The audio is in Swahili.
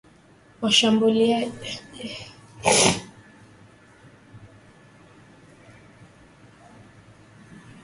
Washambuliaji wasiojulikana walikuwa na silaha